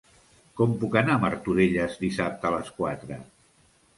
Com puc anar a Martorelles dissabte a les quatre?